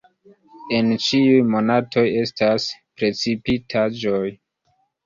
En ĉiuj monatoj estas precipitaĵoj.